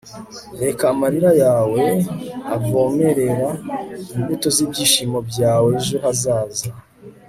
reka amarira yawe avomerera imbuto z'ibyishimo byawejo hazaza